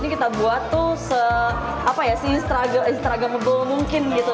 tapi kita buat tuh se apa ya si instagramable mungkin gitu